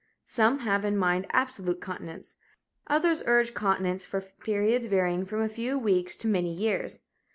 Some have in mind absolute continence. Others urge continence for periods varying from a few weeks to many years.